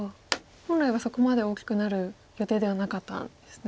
本来はそこまで大きくなる予定ではなかったんですね。